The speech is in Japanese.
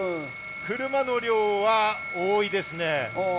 車の量は多いですね。